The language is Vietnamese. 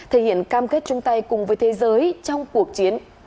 thể hiện cam kết chung tay cùng với thế giới trong cuộc chiến